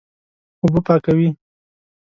اوبه پاکوي.